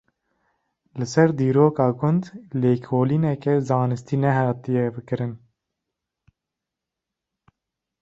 Li ser dîroka gund lêkolîneke zanistî nehatiye kirin.